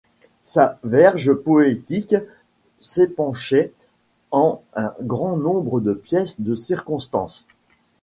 Sa verve poétique s'épenchait en un grand nombre de pièces de circonstances.